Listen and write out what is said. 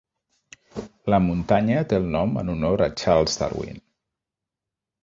La muntanya té el nom en honor a Charles Darwin.